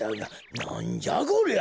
なんじゃこりゃ？